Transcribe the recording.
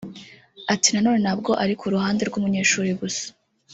Ati “nanone ntabwo ari kuruhande rw’umunyeshuri gusa